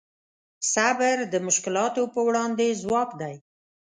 صبر د مشکلاتو په وړاندې ځواک دی.